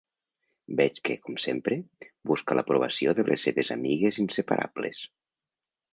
Veig que, com sempre, busca l'aprovació de les seves amigues inseparables.